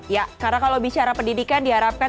ya karena kalau bicara pendidikan diharapkan